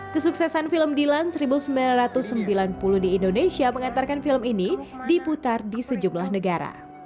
kesuksesan film dilan seribu sembilan ratus sembilan puluh di indonesia mengantarkan film ini diputar di sejumlah negara